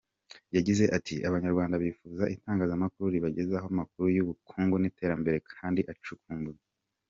Yagize ati “Abanyarwanda bifuza itangazamakuru ribagezaho amakuru y’ubukungu n’iterambere kandi acukumbuye.